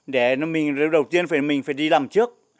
đầu tiên mình phải đi làm trước